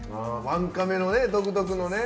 ワンカメのね独特のね。